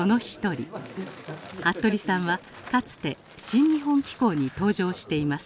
服部さんはかつて「新日本紀行」に登場しています。